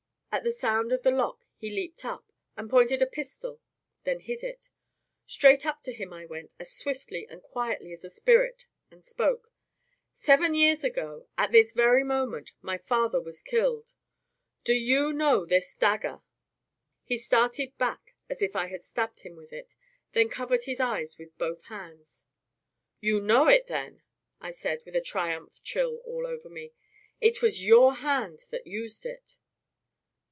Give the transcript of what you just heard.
At the sound of the lock he leaped up, and pointed a pistol, then hid it. Straight up to him I went, as swiftly and quietly as a spirit, and spoke: "Seven years ago, at this very moment, my father was killed. Do you know this dagger?" He started back, as if I had stabbed him with it, then covered his eyes with both hands. "You know it, then?" I said, with a triumph chill all over me. "It was your hand that used it."